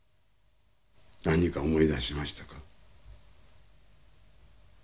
何か思い出しましたか？